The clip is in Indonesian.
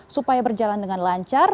supaya berjalan dengan lancar